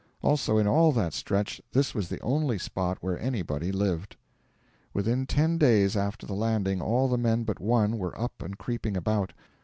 Also, in all that stretch this was the only spot where anybody lived. Within ten days after the landing all the men but one were up and creeping about.